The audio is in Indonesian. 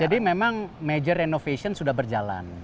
jadi memang major renovation sudah berjalan